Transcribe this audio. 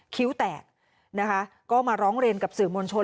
คิ้วแตกนะคะก็มาร้องเรียนกับสื่อมวลชน